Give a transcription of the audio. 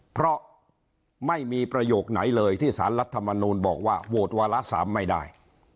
เพราะไม่มีประโยคไหนเลยที่สารรัฐมนูลบอกว่าโหวตวาระ๓ไม่ได้